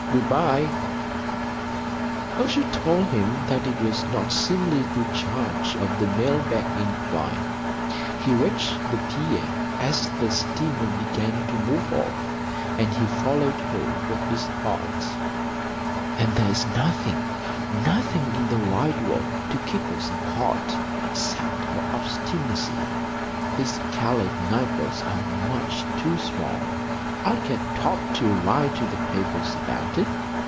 Good bye." A shout told him that it was not seemly to charge up the mail bag incline. He reached the pier as the steamer began to move off, and he followed her with his heart. "And there's nothing—nothing in the wide world—to keep us apart except her obstinacy. These Calais night boats are much too small. I'll get Torp to write to the papers about it.